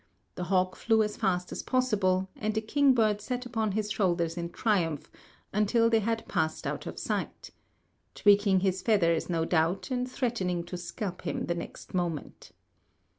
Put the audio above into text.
The hawk flew as fast as possible, and the kingbird sat upon his shoulders in triumph until they had passed out of sight," tweaking his feathers, no doubt, and threatening to scalp him the next moment.